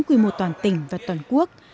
quy mô toàn tỉnh và toàn quốc